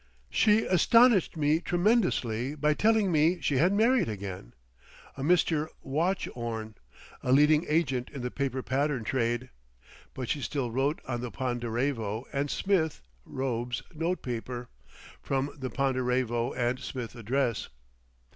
She astonished me tremendously by telling me she had married again—"a Mr. Wachorn, a leading agent in the paper pattern trade." But she still wrote on the Ponderevo and Smith (Robes) notepaper, from the Ponderevo and Smith address.